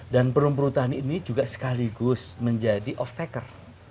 dan perum perutani ini juga sekaligus menjadi off tacker